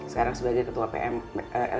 sekarang sebagai ketua pmk